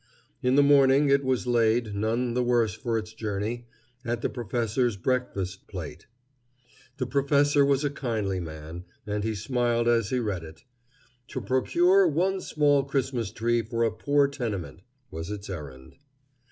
In the morning it was laid, none the worse for its journey, at the professor's breakfast plate. The professor was a kindly man, and he smiled as he read it. "To procure one small Christmas tree for a poor tenement," was its errand.